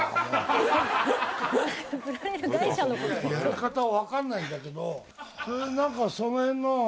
やり方は分かんないんだけどその辺の。